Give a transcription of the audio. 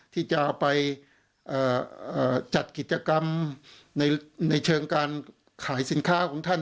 ที่จะไปจัดกิจกรรมในเชิงการขายสินค้าของท่าน